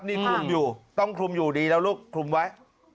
นี่คลุมอยู่ต้องคลุมอยู่ดีแล้วลูกคลุมไว้